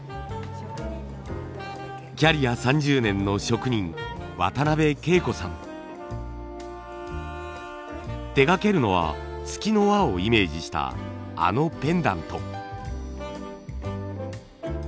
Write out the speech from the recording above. キャリア３０年の手がけるのは月の輪をイメージしたあのペンダント。